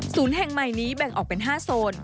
แห่งใหม่นี้แบ่งออกเป็น๕โซน